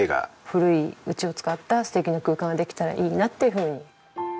古い家を使った素敵な空間ができたらいいなっていうふうに。